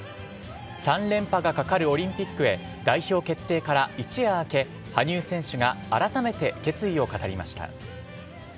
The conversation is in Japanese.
３連覇がかかるオリンピックへ、代表決定から一夜明け、羽生選手が改めて決意を語りました。